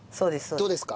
どうですか？